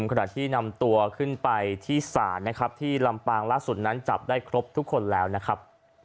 ขณะที่นำตัวขึ้นไปที่ศาลนะครับที่ลำปางล่าสุดนั้นจับได้ครบทุกคนแล้วนะครับ